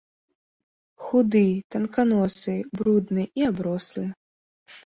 Худы, танканосы, брудны і аброслы.